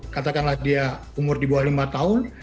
katakanlah dia umur di bawah lima tahun